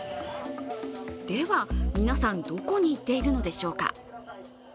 では、皆さん、どこに行っているのでしょうか？